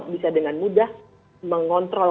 bisa dengan mudah mengontrol